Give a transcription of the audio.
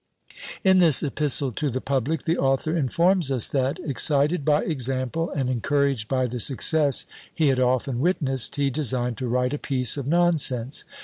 In this "Epistle to the Public," the author informs us that, "excited by example, and encouraged by the success he had often witnessed, he designed to write a piece of nonsense.